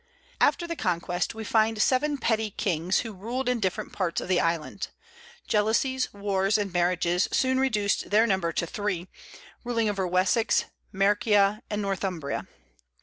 After the conquest we find seven petty kings, who ruled in different parts of the island. Jealousies, wars, and marriages soon reduced their number to three, ruling over Wessex, Mercia, and Northumbria.